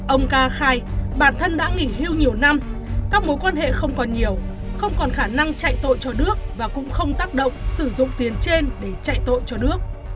ông ca khai bản thân đã nghỉ hưu nhiều năm các mối quan hệ không còn nhiều không còn khả năng chạy tội cho đức và cũng không tác động sử dụng tiền trên để chạy tội cho đước